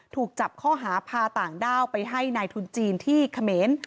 ถูกจับข้อหาพาต่างด้าวไปให้นายทุนจีนที่เขมร